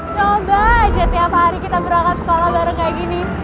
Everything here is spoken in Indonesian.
coba aja tiap hari kita berangkat sekolah bareng kayak gini